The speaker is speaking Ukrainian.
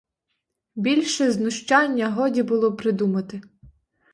Більше знущання годі було придумати.